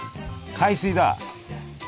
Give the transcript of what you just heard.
海水だ！